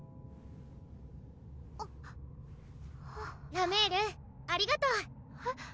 ラメールありがとうえっ？